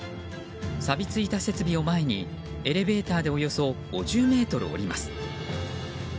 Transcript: さびついた設備を前にエレベーターでおよそ５０ｍ下ります。